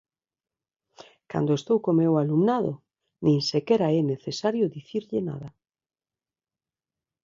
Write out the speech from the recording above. Cando estou co meu alumnado, nin sequera é necesario dicirlle nada.